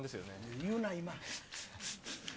言うな今。